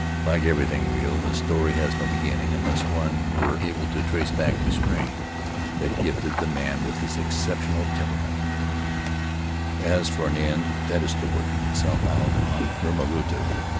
Like everything real, the story has no beginning, unless one were able to trace back the strain that gifted the man with his exceptional temper ament; as for an end, that is still working itself out on Rimarutu.